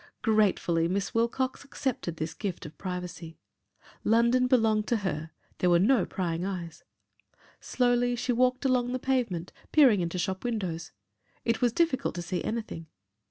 Gratefully Miss Wilcox accepted this gift of privacy. London belonged to her, there were no prying eyes. Slowly she walked along the pavement peering into shop windows. It was difficult to see anything.